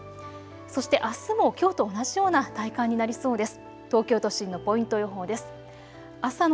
そしてあすもきょうと同じような体感になりそうです。